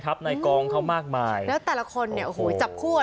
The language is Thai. ในกองเขามากมายแล้วแต่ละคนเนี่ยโอ้โหจับคู่อ่ะ